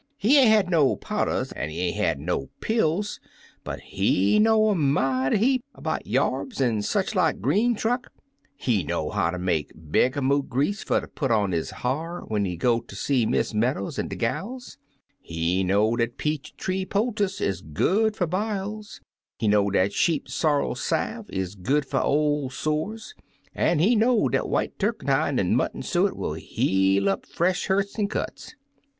He ain't had no powders an' he ain't had no pills, but he know a mighty heap 'bout yarbs an' such like green truck. He know how to make bergamot grease fer ter put on his ha'r when he go to see Miss Meadows an' de gals; he know dat peach leaf poultice is good fer biles; he know dat sheep sorrel salve is good fer ol' sores; an' he know dat white turkentime an' mutton suet will heal up fresh hurts an' cuts.